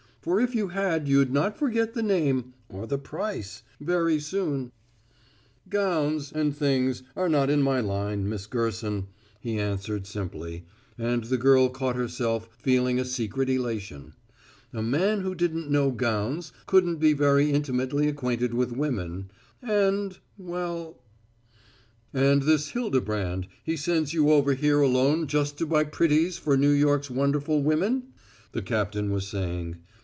"For if you had you'd not forget the name or the price very soon." "Gowns and things are not in my line, Miss Gerson," he answered simply, and the girl caught herself feeling a secret elation. A man who didn't know gowns couldn't be very intimately acquainted with women. And well "And this Hildebrand, he sends you over here alone just to buy pretties for New York's wonderful women?" the captain was saying.